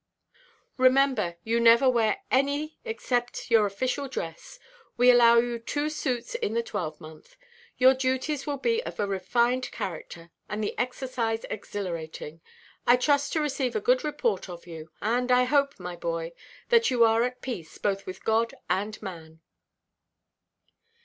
Remember, you never wear any except your official dress. We allow you two suits in the twelvemonth. Your duties will be of a refined character, and the exercise exhilarating. I trust to receive a good report of you; and I hope, my boy, that you are at peace, both with God and man."